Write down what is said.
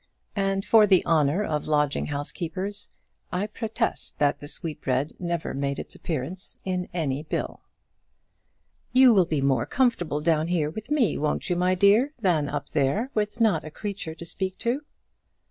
And, for the honour of lodging house keepers, I protest that that sweetbread never made its appearance in any bill. "You will be more comfortable down here with me, won't you, my dear, than up there, with not a creature to speak to?"